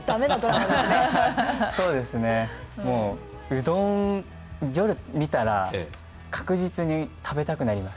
うどん、夜見たら、確実に食べたくなります。